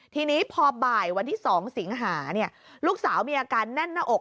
ทีนี้พอบ่ายวันที่๒สิงหาลูกสาวมีอาการแน่นหน้าอก